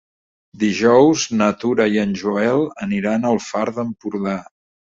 Dijous na Tura i en Joel aniran al Far d'Empordà.